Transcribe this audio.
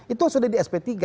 itu sudah di sp tiga